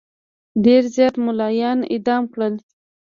ډېر زیات مُلایان اعدام کړل.